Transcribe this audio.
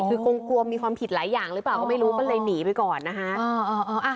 คือคงกลัวมีความผิดหลายอย่างหรือเปล่าก็ไม่รู้ก็เลยหนีไปก่อนนะฮะ